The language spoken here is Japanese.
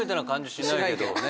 しないけどね。